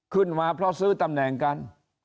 ขึ้นมาเพราะซื้อตำแหน่งกัน